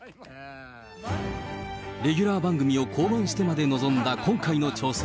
レギュラー番組を降板してまで臨んだ今回の挑戦。